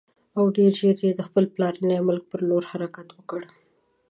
او ډېر ژر یې د خپل پلرني ملک پر لور حرکت وکړ.